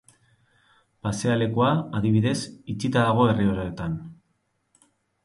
Pasealekua, adibidez, itxita dago herri horretan.